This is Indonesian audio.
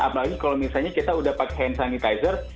apalagi kalau misalnya kita udah pakai hand sanitizer